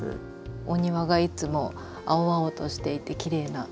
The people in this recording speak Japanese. お庭がいつも青々としていてきれいな感じです。